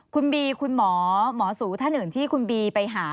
คุณบีคุณหมอหมอสูท่านอื่นที่คุณบีไปหา